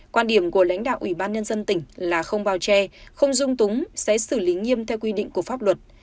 quan điểm của lãnh đạo ủy ban nhân dân tỉnh là không bao che không dung túng sẽ xử lý nghiêm theo quy định của pháp luật